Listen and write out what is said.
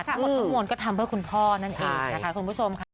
ถ้าหมดทั้งหมดก็ทำเพื่อคุณพ่อนั่นเองค่ะคุณผู้ชม